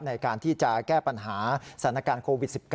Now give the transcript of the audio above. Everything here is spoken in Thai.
ในการที่จะแก้ปัญหาสถานการณ์โควิด๑๙